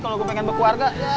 kalo gue pengen berkeluarga